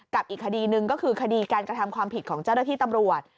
อีกคดีหนึ่งก็คือคดีการกระทำความผิดของเจ้าหน้าที่ตำรวจ